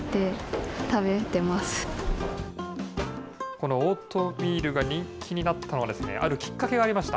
このオートミールが人気になったのは、あるきっかけがありました。